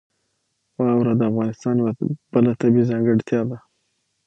واوره د افغانستان یوه بله طبیعي ځانګړتیا ده.